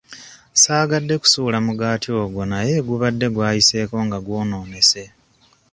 Saagadde kusuula mugaati ogwo naye gubadde gwayiseeko nga gwonoonese.